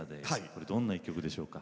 これ、どんな一曲でしょうか。